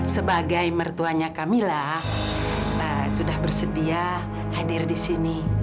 sebagai mertuanya kamila sudah bersedia hadir di sini